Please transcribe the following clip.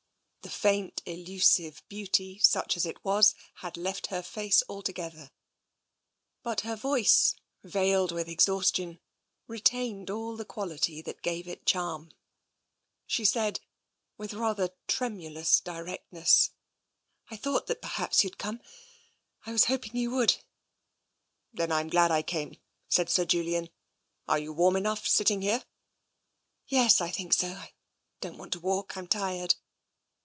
The faint elusive beauty, such as it was, had left her face altogether; but her voice, veiled with exhaustion, retained all the quality that gave it charm. She said, with rather tremulous directness :" I thought that perhaps you'd come. I was hoping you would.'' " Then I'm glad I came," said Sir Julian. " Are you warm enough, sitting here?" " Yes, I think so. I don't want to walk, I'm tired."